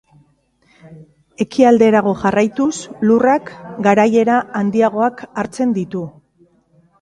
Ekialderago jarraituz, lurrak, garaiera handiagoak hartzen ditu.